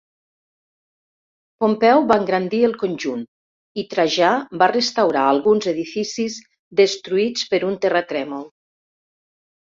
Pompeu va engrandir el conjunt i Trajà va restaurar alguns edificis destruïts per un terratrèmol.